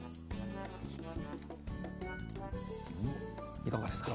いかがですか？